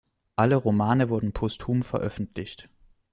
Alle Romane wurden posthum veröffentlicht.